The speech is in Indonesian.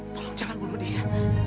tolong jangan bunuh dia